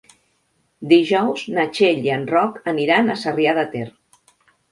Dijous na Txell i en Roc aniran a Sarrià de Ter.